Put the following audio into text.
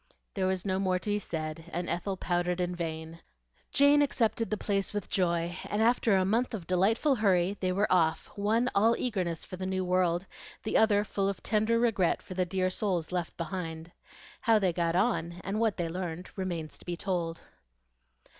There was no more to be said, and Ethel pouted in vain. Jane accepted the place with joy; and after a month of delightful hurry they were off, one all eagerness for the new world, the other full of tender regret for the dear souls left behind. How they got on, and what they learned, remains to be told.